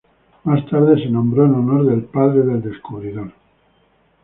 Más tarde, se nombró en honor del padre del descubridor.